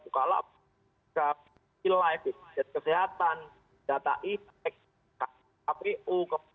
bukalah ke pila kesehatan data i kpu